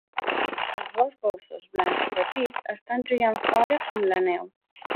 Els dos gossos blancs i petits estan jugant fora amb la neu.